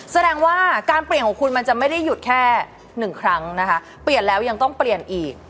แสดงว่าการเปลี่ยนของคุณมันจะไม่ได้หยุดแค่หนึ่งครั้งนะคะเปลี่ยนแล้วยังต้องเปลี่ยนอีก